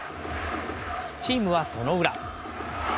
チームはその裏。